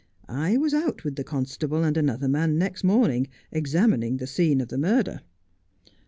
I was out with the constable and another man next morning, examining the scene of the murder.